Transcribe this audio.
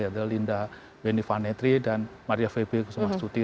yaitu linda weni vanetri dan maria febe kusumastuti